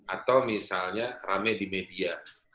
atau misalnya rame di media